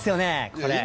これ。